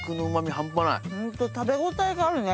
ホント食べ応えがあるね。